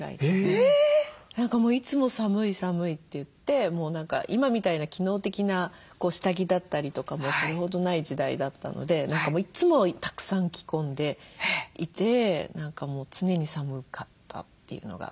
何かいつも「寒い寒い」って言って今みたいな機能的な下着だったりとかもそれほどない時代だったので何かいつもたくさん着込んでいて何かもう常に寒かったっていうのが。